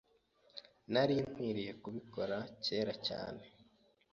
Nari nkwiye kubikora kera cyane.